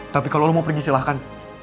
tapi kalau lo mau pergi silahkan